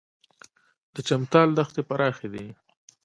د چمتال دښتې پراخې دي